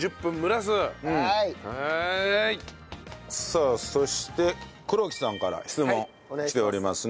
さあそして黒木さんから質問きておりますね。